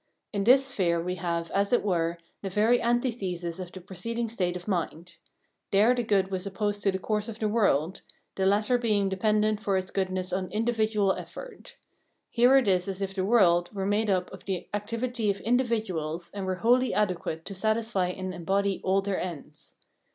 In this sphere we have, as it were, the very antithesis of the preceding state of mind. There the good was opposed to the course of the " world," the latter being dependent for its goodness on individual effort. Here it is as if the " world " were made up of the activity of individuals and were wholly adequate to satisfy and embody all their ends.